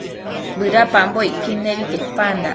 bëdapambocquid nebi quepandac